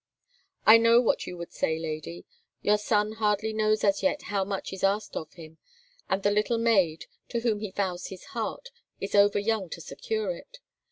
"I know what you would say, lady; your son hardly knows as yet how much is asked of him, and the little maid, to whom he vows his heart, is over young to secure it.